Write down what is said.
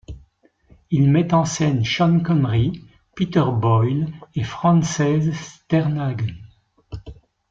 Il met en scène Sean Connery, Peter Boyle et Frances Sternhagen.